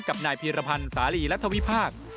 กับนายพีรพันธ์สาลีรัฐวิพากษ์